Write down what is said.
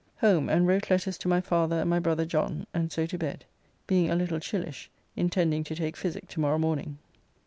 Home and wrote letters to my father and my brother John, and so to bed. Being a little chillish, intending to take physique to morrow morning.